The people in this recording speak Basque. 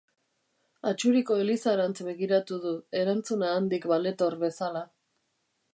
Atxuriko elizarantz begiratu du, erantzuna handik baletor bezala.